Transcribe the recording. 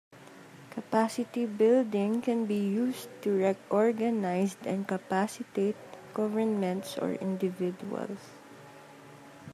Capacity building can be used to reorganize and capacitate governments or individuals.